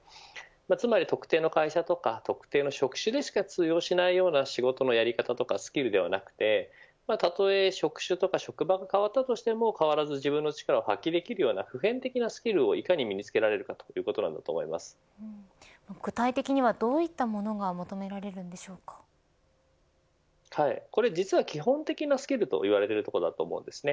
つまり特定の会社や特定の職種でしか通用しないような仕事のやり方とかスキルではなくてたとえ職種や職場が変わったとしても変わらず自分の力を発揮できるような普遍的なスキルをいかに身に付けられるかということだ具体的にはどんなものが実は基本的なスキルと言われているところだと思います。